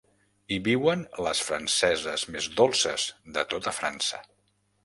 Hi viuen les franceses més dolces de tota França.